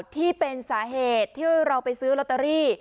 ที่เป็นสาเหตุที่เราไปซื้อลอตเตอรี่